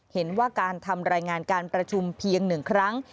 เห็นว่าการทำรายงานการประชุมเพียง๑ครั้ง